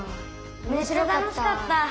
めっちゃたのしかった！